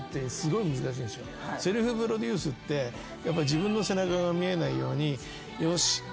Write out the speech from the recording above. セルフプロデュースって自分の背中が見えないように。